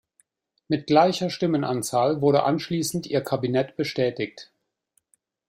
Mit gleicher Stimmenanzahl wurde anschließend ihr Kabinett bestätigt.